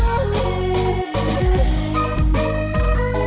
aku berhati jadi